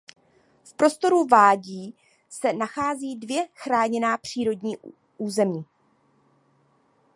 V prostoru vádí se nacházejí dvě chráněná přírodní území.